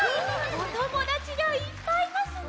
おともだちがいっぱいいますね！